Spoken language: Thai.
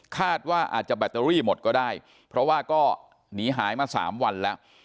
คาดว่าอาจจะแบตเตอรี่หมดก็ได้เพราะว่าก็หนีหายมาสามวันแล้ว